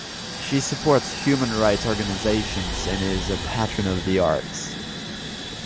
She supports human rights organizations and is a patron of the arts.